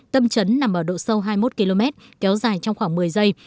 tâm trấn nằm ở độ sâu hai mươi một km kéo dài trong khoảng một mươi giây